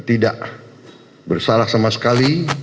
dan tidak bersalah sama sekali